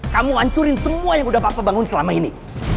kamu hancurin semua yang udah papa bangun selama ini